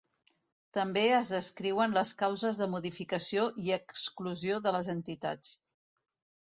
També es descriuen les causes de modificació i exclusió de les entitats.